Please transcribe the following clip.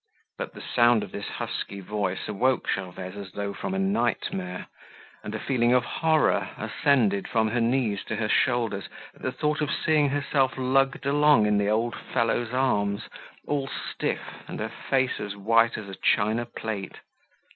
But the sound of this husky voice awoke Gervaise as though from a nightmare. And a feeling of horror ascended from her knees to her shoulders at the thought of seeing herself lugged along in the old fellow's arms, all stiff and her face as white as a china plate.